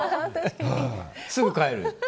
すぐ帰る。